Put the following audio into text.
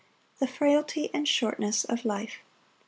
The frailty and shortness of life.